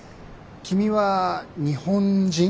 君は日本人？